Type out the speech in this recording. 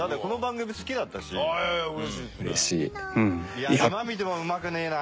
いや今見てもうまくねえな。